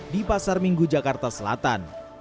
di pasar minggu jakarta selatan